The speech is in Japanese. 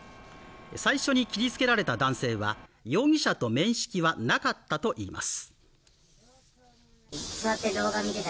最初に切りつけられた男性は容疑者と面識はなかったといいます